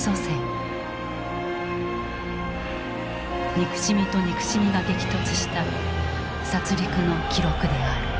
憎しみと憎しみが激突した殺戮の記録である。